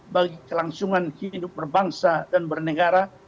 bagi kelangsungan hidup berbangsa dan bernegara